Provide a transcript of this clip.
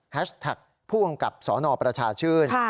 แท็กผู้กำกับสนประชาชื่น